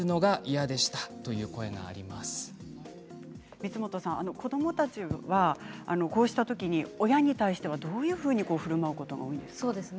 光本さん、子どもたちはこうした時、親に対してはどういうふうにふるまうことが多いんですか？